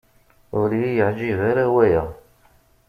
Ur yi-yeεǧib ara waya.